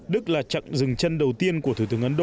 đức là chặng dừng chân đầu tiên của thủ tướng ấn độ